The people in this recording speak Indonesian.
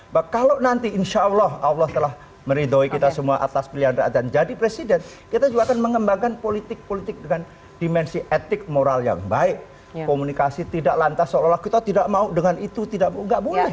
bahwa kalau nanti insya allah allah telah meridoi kita semua atas pilihan rakyat dan jadi presiden kita juga akan mengembangkan politik politik dengan dimensi etik moral yang baik komunikasi tidak lantas seolah olah kita tidak mau dengan itu tidak boleh